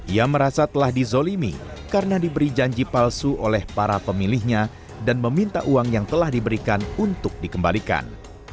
ia merasa telah dizolimi karena diberi janji palsu oleh para pemilihnya dan meminta uang yang telah diberikan untuk dikembalikan